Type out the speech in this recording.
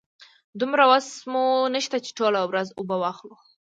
دومره وسه مو نشته چې ټوله ورځ اوبه واخلو.